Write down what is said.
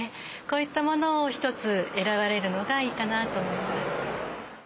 こういったものを一つ選ばれるのがいいかなと思います。